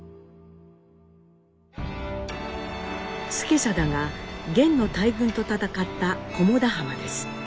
資定が元の大軍と戦った小茂田浜です。